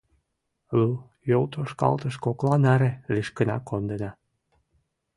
Лу йолтошкалтыш кокла наре лишкына кондена.